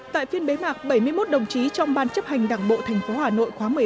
tại phiên bế mạc bảy mươi một đồng chí trong ban chấp hành đảng bộ thành phố hà nội khóa một mươi bảy